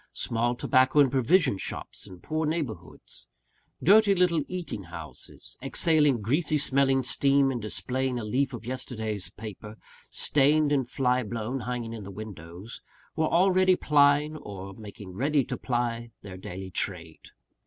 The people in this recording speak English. Small tobacco and provision shops in poor neighbourhoods; dirty little eating houses, exhaling greasy smelling steam, and displaying a leaf of yesterday's paper, stained and fly blown, hanging in the windows were already plying, or making ready to ply, their daily trade.